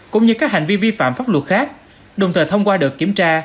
cũng như các hành vi vi phạm pháp luật khác đồng thời thông qua đợt kiểm tra